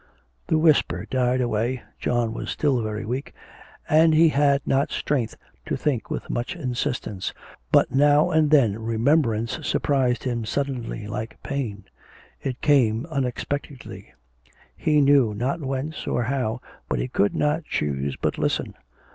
The whisper died away. John was still very weak, and he had not strength to think with much insistence, but now and then remembrance surprised him suddenly like pain; it came unexpectedly, he knew not whence or how, but he could not choose but listen.